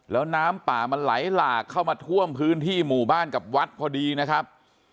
แล้วน้ำป่ามันไหลหลากเข้ามาท่วมพื้นที่หมู่บ้านกับวัดพอดีนะครับ